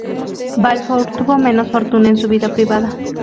Balfour tuvo menos fortuna en su vida privada.